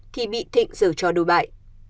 thì bị thịnh giở trò đối bại